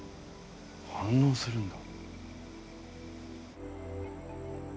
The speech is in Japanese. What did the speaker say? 反応するんだ。